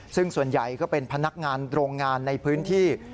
ซึ่งส่วนใหญ่ก็เป็นพนักงานโรงงานในพื้นที่